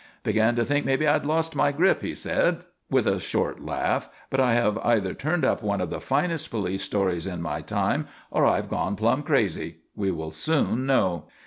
"Began to think maybe I had 'lost my grip,'" he said, with a short laugh. "But I have either turned up one of the finest police stories in my time or I have gone plumb crazy. We will soon know."